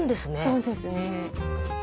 そうですね。